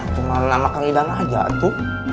cuma makan idang aja tuh